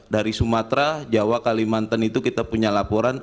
dari sumatera jawa kalimantan itu kita punya laporan